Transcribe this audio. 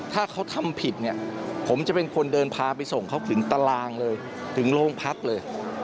ถ้าเขาทำผิดเนี่ยผมจะเป็นคนเดินพาไปส่งเขาถึงตารางเลยถึงโรงพักเลย